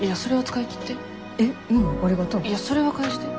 いやそれは返して。